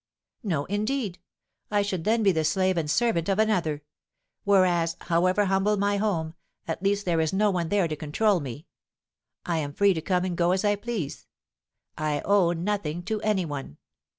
"No, indeed! I should then be the slave and servant of another; whereas, however humble my home, at least there is no one there to control me. I am free to come and go as I please. I owe nothing to any one.